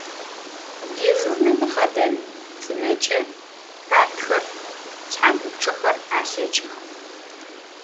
Dêjjurneme xheden şşıneç'e partxer, şshanğupççexer alheç'ıx.